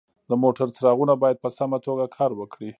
د موټر څراغونه باید په سمه توګه کار وکړي.